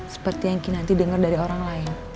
seperti yang kinanti dengar dari orang lain